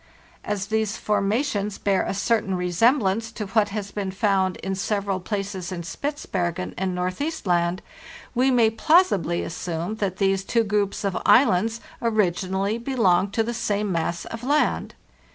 As these formations beara certain resemblance to what has been found in several places in Spitzbergen 550 FARTHEST NORTH and Northeast Land, we may plausibly assume that these two groups of islands originally belonged to the same mass of land.